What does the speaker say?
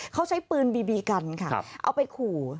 เขาใช้ปืนบีบีกันค่ะเอาไปขู่